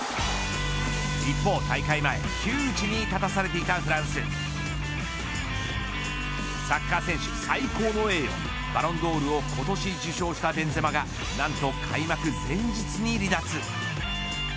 一方、大会前窮地に立たされていたフランスサッカー選手最高の栄誉バロンドールを今年受賞したベンゼマが何と開幕前日に離脱。